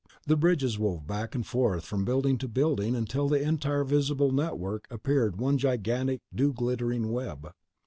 The bridges wove back and forth from building to building until the entire visible network appeared one gigantic dew glittering web.